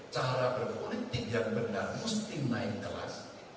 cara berpolitik yang benar mesti naik kelas